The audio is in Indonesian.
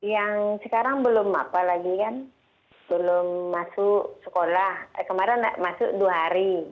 yang sekarang belum apalagi kan belum masuk sekolah kemarin masuk dua hari